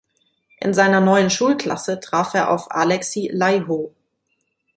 In seiner neuen Schulklasse traf er auf Alexi Laiho.